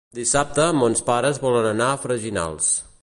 Dissabte mons pares volen anar a Freginals.